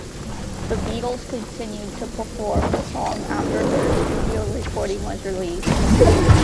The Beatles continued to perform the song after their studio recording was released.